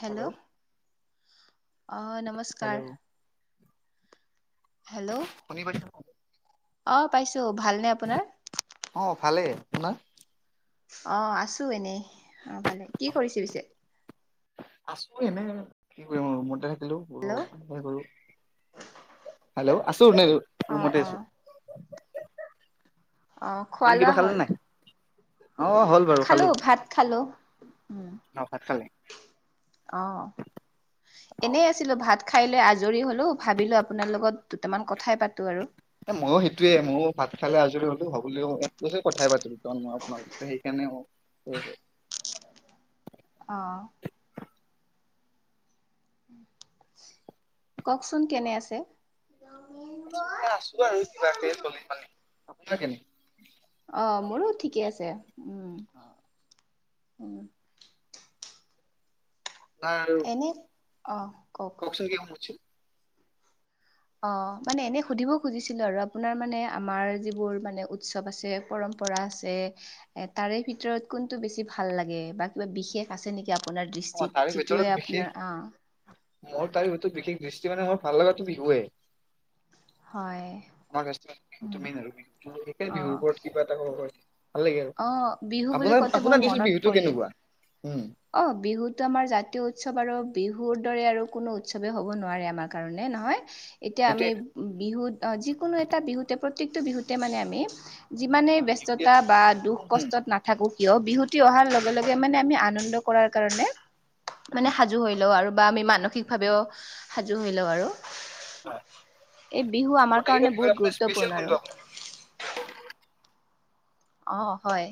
Hello অ', নমস্কাৰ। Hello hello শুনি পাইছা ন? অ', পাইছো ভালনে আপোনাৰ? অ', ভালেই আপোনাৰ? অ', আছো এনেই অ', ভালে কি কৰিছে পিছে? আছো এনে কি কৰিম ৰুমতে থাকিলো হেল্ল' কৰো হেল্লো' আছো [unintelligible] অ', আছো অ'। অ', খোৱা আপুনি কিবা লোৱা খালে হ'ল? নাই অ হ'ল বাৰু খালো ভাত খালো উম। অঁ', ভাত খালি? অ', এনে আছে। ছিলো ভাত খাই লৈ আজৰি হ'লো ভাবিলো আপোনাৰ লগত দুটামান কথাই পাতো আৰু এ ময়ো সেইটোৱে ময়ো ভাত খালে আজৰি হলো হ'ব বুলি এক কথাই পাতিো কাৰণ মই আপোনালোকক। সেইকাৰণে অ। অ'। কওকচোন কেনে আছে? আছো আৰু কিবাকে চলি মেলি আপোনাৰ কেনে? অ', মোৰো ঠিকে আছে উম, উ। [inaudible] অ', কওক। কওকচোন [unintelligible] অ', মানে এনেই সুধিব খুজিছিলো আৰু আপোনাৰ মানে আমাৰ যিবোৰ মানে উৎসৱ আছে পৰম্পৰা আছে এ তাৰে ভিতৰত কোনটো বেছি ভাল লাগে বা কিবা বিশেষ আছে নেকি আ আপোনাৰ অ তাৰে দৃষ্টিত ভিতৰত যিটোহে বিশেষ আপোনাৰ অঁ। মোৰ তাৰ সো বিশেষ দৃষ্টি মানে মোৰ ভাল লগা বিহুৱে। হয়। মই উম তুমি নিৰুগী বিহু অ বিহুৰ ওপৰত কিবা এটা ক'ব পাৰি ভাল লাগে আৰু অ বিহু বুলি আপোনাক কওঁতে আপোনাক দিচো বিহুতটো কেনেকুৱা উম। অঁ', বিহুতটো আমাৰ জাতীয় উৎসৱ আৰু বিহুৰ দৰে আৰু কোনো উৎসৱেই হ'ব নোৱাৰে আমাক কাৰণে নহয় এতিয়া আমি এইটোৱেটো বিহুত যিকোনো এটা বিহুতে প্ৰত্যেকটো বিহুতে মানে আমি অ যিমানেই বিহু দিয়া ব্যস্ততা বা দুখ উম উম কষ্ট নাথাকো কিয় বিহুতি অহাৰ লগে লগে মানে আমি আনন্দ কৰাৰ কাৰণে মান উম সাজু হৈ লওঁ আৰু বা আমি মানসিকভাৱেও সাজু হৈ লওঁ আৰু। হয় এই বিহু আমাৰ গোটেইকেইটা কাৰণে বিহুৰ বহুত আপোনাৰ স্পেচিয়েল গুৰুত্বপূৰ্ণ আৰু কোনটো আপোনাৰ? অ', হয়।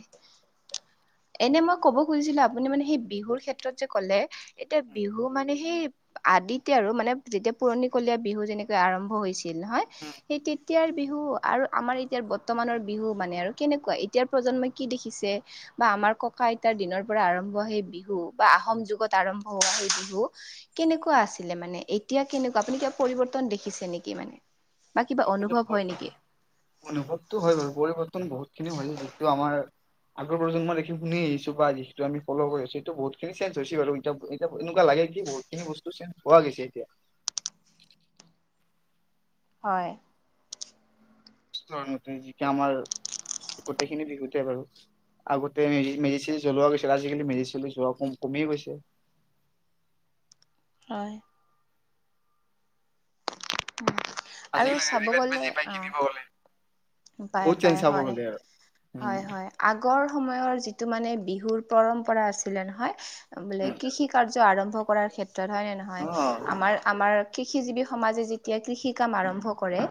এনে মই ক'ব খুজিছিলো আপুনি মানে সেই বিহুৰ ক্ষেত্ৰত যে কলে এতিয়া বিহু মানে সেই আদিতে আৰু মানে যেতিয়া পুৰণিকলীয়া বিহু যেনেকৈ আৰম্ভ হৈছিল হয় উম সেই এতিয়াৰ বিহু আৰু আমাৰ এতিয়য়া বৰ্তমানৰ বিহু মানে আৰু কেনেকুৱা এতিয়াৰ প্ৰজন্মই কি দেখিছে বা আমাৰ ককা আইতাৰ দিনৰ পৰা আৰম্ভ সেই বিহু বা আহোম যুগত আৰম্ভ হোৱা সেই বিহু কেনেকুৱা আছিলে মানে এতিয়া কেনেকুৱা আপুনি কিবা পৰিৱৰ্তন দেখিছে নেকি মানে। বা কিবা অনুভৱ হয় নেকি। অনুভৱতটো হয় বাৰু পৰিৱৰ্তন বহুতখিনি হয় যিটো আমাৰ আগৰ প্ৰজন্মই দেখি শুনি আহিছো বা যিহেত আমি ফল কৰি আছো এই বহুতিন চেঞ্জ হৈছে বাৰু এতি এতিয়া এনেুৱা লাগে কি বহুত সেই বস্তু চেঞ্জ হোৱা গৈছে এতিয়া। হয়। তে যিকয়া আমাৰ গোটেইখিনি বিহুতে বাৰু। আগতে মেডিচিন জলোৱা গৈছিল আজিকালি মেডিচিন যোৱাম কমি গৈছে। হয়। আৰু আজিকালি চাব ৰেডিমেড গ'লে বেজি পাই কিনিব গ'লে পায় বহুত চেঞ্জ পায় চাব হয় গ'লে আৰু উম হয় হয়। আগৰ সময়ৰ যিটো মানে বিহুৰ পৰম্পৰা আছিলে নহয় বোলে উম, কৃষি কাৰ্য আৰম্ভ কৰাৰ ক্ষেত্ৰত হয় নে নহয় অ'। আমাৰ আমাৰ কৃষিজীৱি সমাজে যেতিয়া কৃষি কাম আৰম্ভ কৰে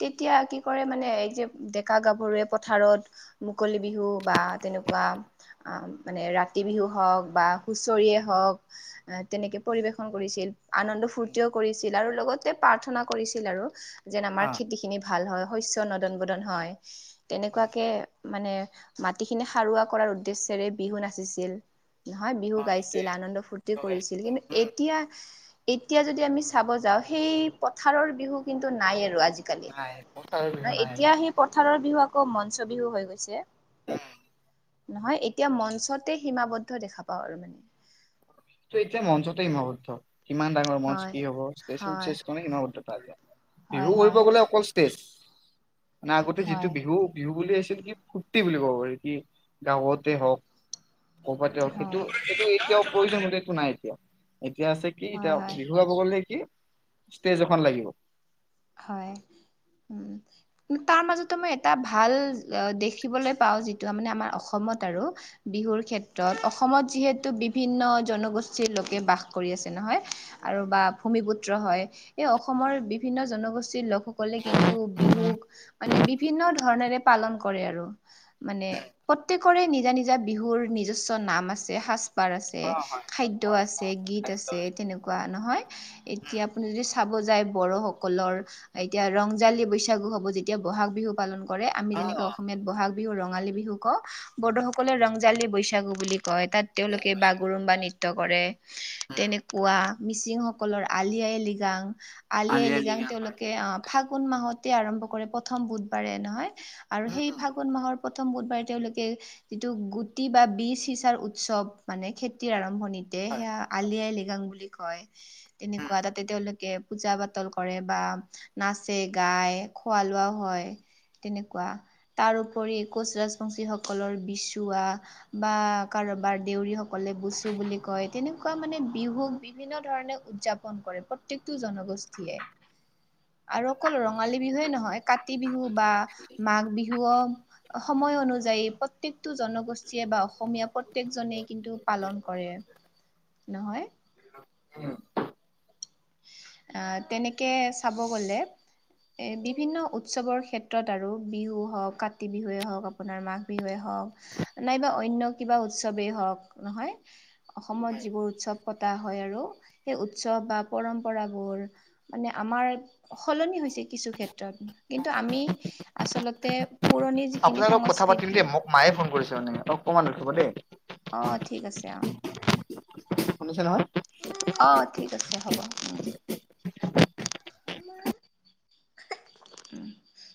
তেতিয়া কি কৰে মানে এই যে ডেকা, গাভৰুৱে, পথাৰত মুকলি বিহু বা তেনেকুৱা মানে ৰাতি বিহু হওক বা হুঁচৰিয়েই হওক আহ তেনেকে পৰিবেশন কৰিছিল আনন্দ উম, ফূুৰ্তিও কৰিছিল আৰু লগতে প্ৰাৰ্থনা কৰিছিল আৰু যেন আমাৰ অ', খেতি খিনি ভাল হয় শস্য নদন বদন হয় উম, তেনেকুৱাকে মানে মাটিখিনি সাৰুৱা কৰাৰ উদ্দেশ্যেৰে বিহু নাচিছিল নহয় বিহু অ', সেইটোৱে গাইছিল আনন্দ ফূুৰ্তি বিহু কৰিছিল গাইছিলোঁ কিন্তু উম। এতিয়া এতিয়া যদি আমি চাব যাওঁ সেই পথাৰৰ বিহু কিন্তু নাই আৰু আজিকালি। হয়। এতিয়া সেই পথাৰৰ বিহু আকৌ মঞ্চ বিহু হৈ গৈছে। অ' নহয় এতিয়া মঞ্চতে সীমাবদ্ধ দেখা পাওঁ আৰু মানে। ত এই যেয়া মঞ্চতই হিমাবদ্ধ। কিমান ডাঙৰ মঞ্চত হয়। কি হব হয় সমান প যায় বিহু হয় কৰিব হয় গলে অকল তেজ মানে আগতে যিটো হয় বিহু বিহু বুলি আছিল কি ফূুৰ্তি বুলি ক'ব পাৰি কি গাঁৱতে হওক ক'বাতে হক সেইটো হয় সেইটো এতিয়াও প্ৰয়োজনীয়ত একো নাই এতিয়াও, এতিয়া আছে কি হয় এতিয়া হয় বিহু- ক'ব গলে কি? ষ্টেজ এখন লাগিব। হয়, উম। তাৰ মাজতো মই এটা ভাল দেখিবলৈ পাওঁ যিটো মানে আমাৰ অসমত আৰু বিহুৰ ক্ষেত্ৰত, অসমত যিহেতু বিভিন্ন জনগোষ্ঠীৰ লোকে বাস কৰি আছে নহয়। আৰু বা ভূমিপুত্ৰ হয়, এই অসমৰ বিভিন্ন জনগোষ্ঠীৰ লোক সকলে কিন্তু বিহুক মানে বিভিন্ন ধৰনেৰে পালন কৰে আৰু। মানে প্ৰত্যেকৰে নিজা নিজা বিহুৰ নিজস্ব নাম আছে। সাজ বাৰ আছে, খাদ্য আছে, গীত আছে তেনেকুৱা নহয়, এতিয়া আপুনি যদি চা- ব যায় বড়োসকলৰ, এতিয়া ৰংজালী বৈশাগু হ'ব যেতিয়া বহাগ বিহু পালন কৰে, আমি যেনেকে অসমীয়াত বহাগ বিহু ৰঙালী বিহু কওঁ, বড়োসকলে ৰংজালী বৈচাগু বুলি কয়। তাত তেওঁলোকে বাগৰুম্বা নৃত্য কৰে, তেনেকুৱা। মিচিংসকলৰ আলি আই লৃগাং, আলি আই লিং আলিআইলিগাং হয়। ফাগুন মাহতে আৰম্ভ কৰে, প্ৰথম বুধবাৰে নহয় আৰু সেই ফাগুন মাহত প্ৰথম বুধবাৰে তেওঁলোকে যিটো গুটি বা বীজ সিচাৰ উৎসৱ মানে খেতিৰ আৰম্ভণি সেয়া আলি আই লৃগাং বুলি কয়, তেনেকুৱা তাতে তেওঁলোকে পূজা পাতল কৰে বা নাচে গাই খোৱা লোৱাও হয়, তেনেকুৱা। তাৰপৰি কোচ ৰাজবংশীসকলৰ বিচুৱা- বা কাৰোবাৰ দেউৰী সকলে বুচো বুলি কয়, তেনেকুৱা মানে বিহুক বিভিন্ন ধৰণে উদযাপ- পণ কৰে প্ৰত্যেকটো জনগোষ্ঠীয়ে। আৰু অকল ৰঙালী বিহুৱেই নহয়, কাতি বিহু বা মাঘ বিহু- সময় অনুযায়ী প্ৰত্যেকটো জনগোষ্ঠীয়ে বা অসমীয়া প্ৰত্যেকজনে কিন্তু পালন কৰে নহয়। [unintelligible] আঁ তেনেকে চাব গলে এই বিভিন্ন উৎসৱৰ ক্ষেত্ৰত আৰু বিহু হওক কাতি বিহুৱেই হওক আপোনাৰ মাঘ বিহুৱে হওক নাইবা অন্য কিবা উৎসৱেই হওক নহয়। অসমত যিবোৰ উৎসৱ পতা হয় আৰু, সেই উৎসৱ বা- পৰম্পৰাবোৰ মানে আমাৰ সলনি হৈছে কিছু ক্ষেত্ৰত ত কিন্তু আমি আচলতে পুৰণি যিখিনি আপোনাৰ লগত কথা পাতিম সংস্কৃতি দেই মোক মায়ে ফোন কৰিছে মানে অকণমান ৰখিব দেই। অঁ ঠিক আছে অঁ। শুনিছে নহয়। অঁ ঠিক আছে হ'ব, উম। [unintelligible]